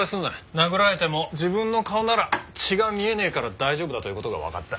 殴られても自分の顔なら血が見えねえから大丈夫だという事がわかった。